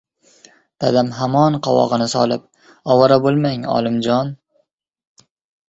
dadam hamon qovog‘ini solib - Ovora bo‘lmang, Olimjon...